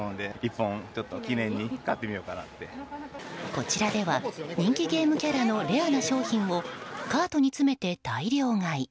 こちらでは人気ゲームキャラのレアな商品をカートに詰めて大量買い。